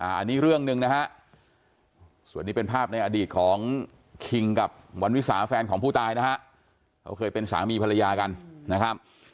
อันนี้เรื่องหนึ่งนะฮะส่วนนี้เป็นภาพในอดีตของคิงกับวันวิสาแฟนของผู้ตายนะฮะเขาเคยเป็นสามีภรรยากันนะครับ